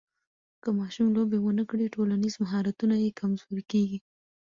که ماشوم لوبې ونه کړي، ټولنیز مهارتونه یې کمزوري کېږي.